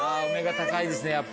お目が高いですね